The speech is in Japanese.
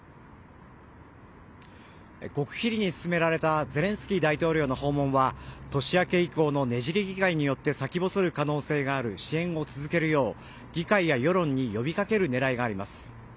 極秘裏に進められたゼレンスキー大統領の訪問は年明け以降のねじれ議会によって先細る可能性がある支援を続けるよう議会や世論に呼び掛ける狙いがあります。